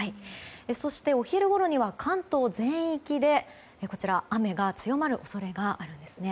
そして、お昼ごろには関東全域で雨が強まる恐れがあるんですね。